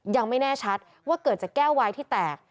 ยังไม่แน่ชัดว่าเกิดจากแก้ววายที่แตก